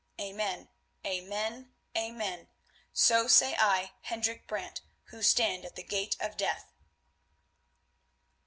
Amen. Amen. Amen! So say I, Hendrik Brant, who stand at the Gate of Death."